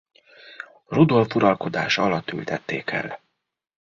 Rudolf uralkodása alatt ültették el.